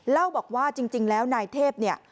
เล่าบอกว่าจริงแล้วนายเทพ